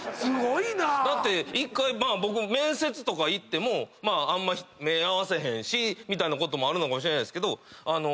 だって１回僕面接とか行ってもあんま目ぇ合わせへんしみたいなこともあるのかもしれないけどあの。